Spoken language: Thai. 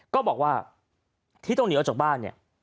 ก็บอกว่าที่ต้องหนีออกจากบ้านเนี่ย